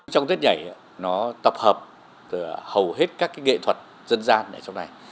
trong tết nhảy nó tập hợp hầu hết các nghệ thuật dân gian ở trong này